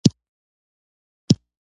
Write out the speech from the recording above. که نن نه وي نو سبا به حتما قبلیږي